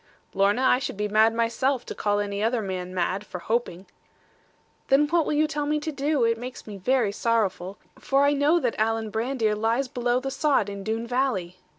'Lorna, I should be mad myself, to call any other man mad, for hoping.' 'Then will you tell me what to do? It makes me very sorrowful. For I know that Alan Brandir lies below the sod in Doone valley.'